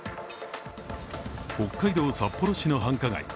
北海道札幌市の繁華街